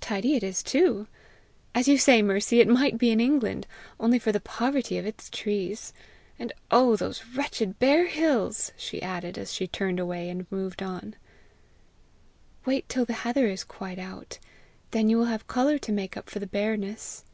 Tidy it is too! As you say, Mercy, it might be in England only for the poverty of its trees. And oh those wretched bare hills!" she added, as she turned away and moved on. "Wait till the heather is quite out: then you will have colour to make up for the bareness."